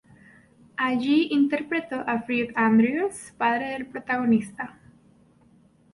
Allí interpretó a Fred Andrews, padre del protagonista.